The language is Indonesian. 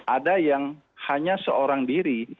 ada yang hanya seorang diri